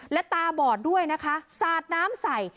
และตาบอดด้วยนะคะสาดน้ำใส่